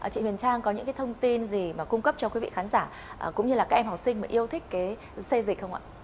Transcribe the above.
chị huyền trang có những cái thông tin gì mà cung cấp cho quý vị khán giả cũng như là các em học sinh mà yêu thích cái xây dịch không ạ